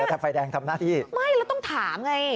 อายทีนี้ไม่แล้วต้องถามไง